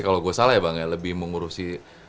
kalau gua salah ya bang lebih mengurusi